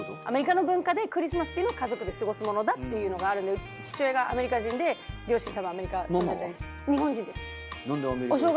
アメリカの文化でクリスマスっていうのを家族で過ごすものだっていうのがあるんで父親がアメリカ人で両親たぶんアメリカ住んでて。